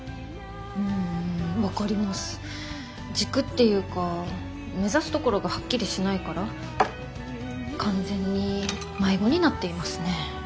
軸っていうか目指すところがはっきりしないから完全に迷子になっていますね。